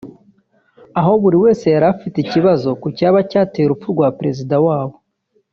aho buri wese yari afite ikibazo ku cyaba cyateye urupfu rwa Perezida wabo